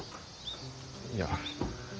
いや。